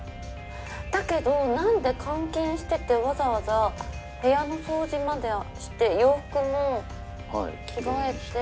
だけど何で監禁しててわざわざ部屋の掃除までして洋服も着替えて。